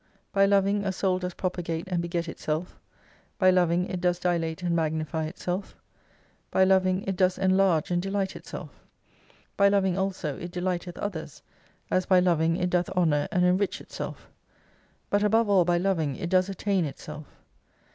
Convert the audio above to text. By Loving a Soul does propagate and beget itself. By Loving it does dilate and magnify itself. By Loving it does enlarge and delight itself. By Loving also it delighteth others, as by Loving it doth honour and enrich itself. But above all by Loving it does attain itself.